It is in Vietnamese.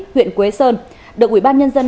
huyện quế sơn được ủy ban nhân dân